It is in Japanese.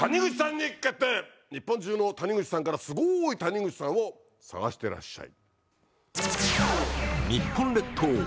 日本中の谷口さんからスゴイ谷口さんを探してらっしゃい。